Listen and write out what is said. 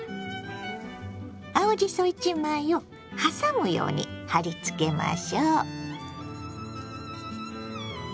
青じそ１枚をはさむように貼りつけましょう。